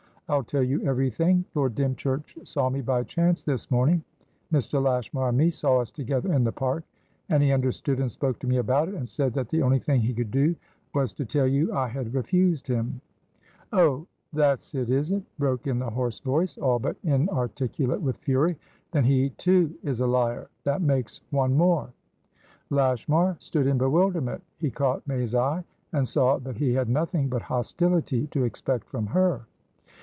I'll tell you everything. Lord Dymchurch saw me by chance this morningMr. Lashmar and mesaw us together in the park; and he understood, and spoke to me about it, and said that the only thing he could do was to tell you I had refused him" "Oh, that's it, is it?" broke in the hoarse voice, all but inarticulate with fury. "Then he too is a liar; that makes one more." Lashmar stood in bewilderment. He caught May's eye, and saw that he had nothing but hostility to expect from her.